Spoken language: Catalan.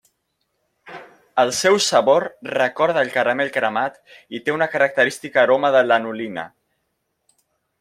El seu sabor recorda al caramel cremat i té una característica aroma de lanolina.